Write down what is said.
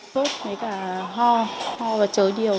suốt với cả ho ho và trớ điều